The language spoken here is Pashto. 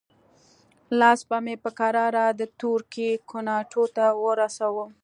لاس به مې په کراره د تورکي کوناټي ته ورساوه.